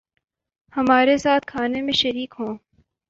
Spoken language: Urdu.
ہمارے ساتھ کھانے میں شریک ہوں